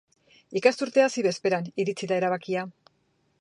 Ikasturtea hasi bezperan iritsi da erabakia.